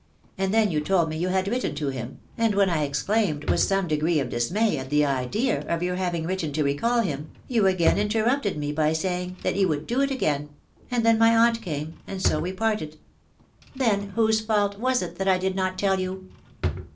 *.... And then you told me you had written to him, and when I ex claimed, with some degree of dismay at the idea of your hat ing written to recall him, you again interrupted me by saying that you would do it again ..•• and then my aunt came, and so we parted. ••• Then whose fault was it that I did not tell you